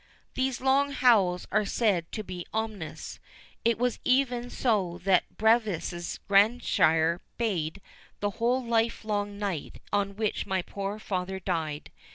These long howls are said to be ominous. It was even so that Bevis's grandsire bayed the whole livelong night on which my poor father died.